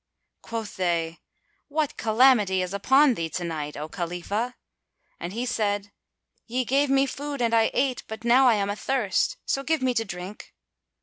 Quoth they, "What calamity is upon thee to night, [FN#249] O Khalifah!" And he said, "Ye gave me food and I ate; but now I am a thirst; so give me to drink."